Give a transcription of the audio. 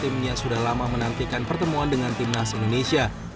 jadi kita akan memiliki permainan yang bagus semoga